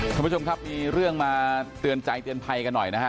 ท่านผู้ชมครับมีเรื่องมาเตือนใจเตือนภัยกันหน่อยนะฮะ